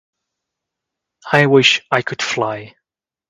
I wish I could fly.